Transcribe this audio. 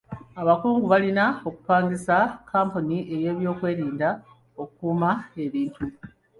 Abakungu balina okupangisa kkampuni y'ebyokwerinda okukuuma ebintu.